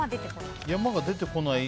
山が出てこない。